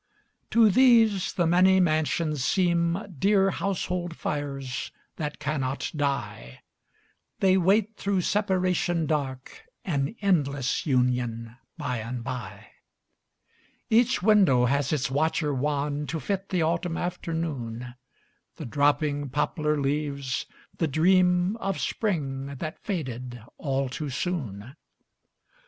To these the many mansions seem Dear household fires that cannot die; They wait through separation dark An endless union by and by. Each window has its watcher wan To fit the autumn afternoon, The dropping poplar leaves, the dream Of spring that faded all too soon.